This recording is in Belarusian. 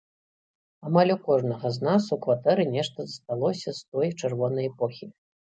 Амаль у кожнага з нас у кватэры нешта засталося з той чырвонай эпохі.